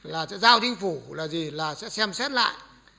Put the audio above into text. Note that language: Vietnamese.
là sẽ giao chính phủ là gì là sẽ xem xét lại